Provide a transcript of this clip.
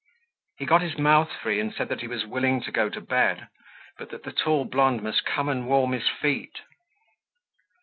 He got his mouth free and said that he was willing to go to bed, but that the tall blonde must come and warm his feet.